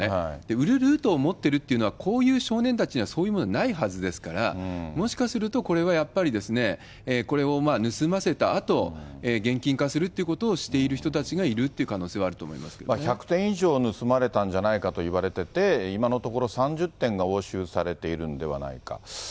売るルートを持ってるというのは、こういう少年たちにはそういうものはないはずですから、もしかすると、これはやっぱりこれを盗ませたあと、現金化するっていうことをしている人たちがいるっていう可能性は１００点以上盗まれたんじゃないかといわれてて、今のところ、３０点が押収されているではないか。